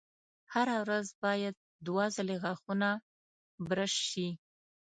هره ورځ باید دوه ځلې غاښونه برش شي.